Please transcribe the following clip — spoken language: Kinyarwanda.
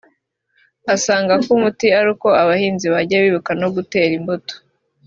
Asanga umuti ari uko abahinzi bajya bibuka no gutera imbuto